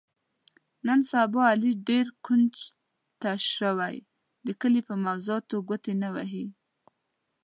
نن سبا علي ډېر کونج ته شوی، د کلي په موضاتو ګوتې نه وهي.